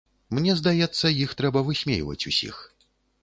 Мне здаецца, іх трэба высмейваць усіх.